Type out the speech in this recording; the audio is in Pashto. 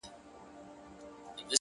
پرمختګ له دوامداره هڅې تغذیه کېږي.!